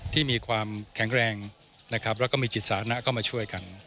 ที่มีความแข็งแรงและมีจิตศาสนะเข้ามาช่วยกัน